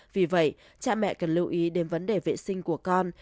vì vậy cha mẹ cần lưu ý đến vấn đề vệ sinh của con